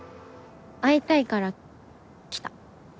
会いたいから来た。